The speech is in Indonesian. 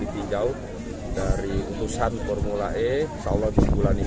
itu kan di luar kuasa kita bang